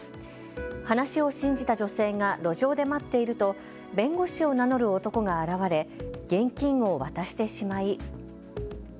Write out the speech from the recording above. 話を信じた女性が路上で待っていると弁護士を名乗る男が現れ現金を渡してしまい。